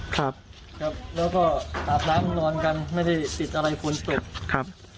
แล้วก็อาบน้ำนอนกันไม่ได้ติดอะไรฝนตก